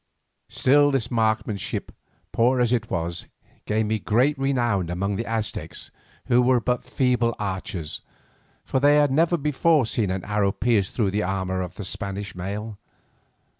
Still this marksmanship, poor as it was, gained me great renown among the Aztecs, who were but feeble archers, for they had never before seen an arrow pierce through the Spanish mail.